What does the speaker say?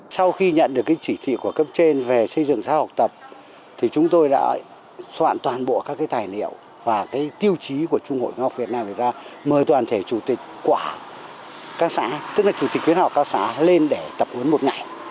sau khi nhận được chỉ thị của cấp trên về xây dựng xã học tập chúng tôi đã soạn toàn bộ các tài liệu và tiêu chí của trung hội khoa học việt nam mời toàn thể chủ tịch quả các xã tức là chủ tịch khuyến học các xã lên để tập huấn một ngày